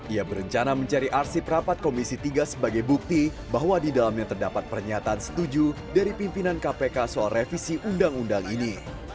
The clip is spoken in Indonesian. ia berencana mencari arsip rapat komisi tiga sebagai bukti bahwa di dalamnya terdapat pernyataan setuju dari pimpinan kpk soal revisi undang undang ini